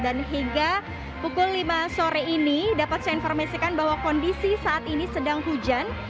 dan hingga pukul lima sore ini dapat saya informasikan bahwa kondisi saat ini sedang hujan